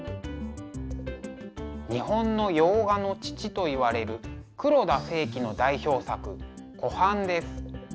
日本の洋画の父といわれる黒田清輝の代表作「湖畔」です。